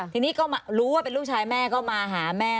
ทีนี้ก็รู้ว่าเป็นลูกชายแม่ก็มาหาแม่